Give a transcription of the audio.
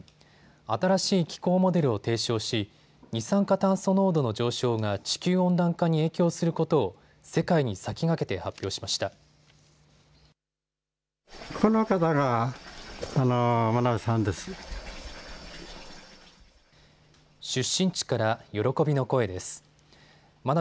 新しい気候モデルを提唱し二酸化炭素濃度の上昇が地球温暖化に影響することを世界に先駆けて発表しました。